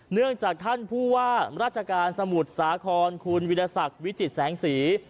เนื่องจากท่านผู้ว่าราชการสมุทรสาขรคุณวิจัยสังสี